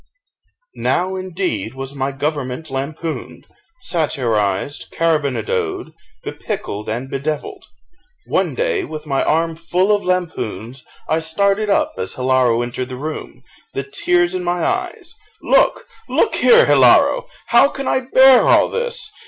Now, indeed, was my government lampooned, satirised, carribonadoed, bepickled, and bedevilled. One day, with my arm full of lampoons, I started up as Hilaro entered the room, the tears in my eyes: "Look, look here, Hilaro! how can I bear all this?